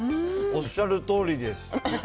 おっしゃるとおりです。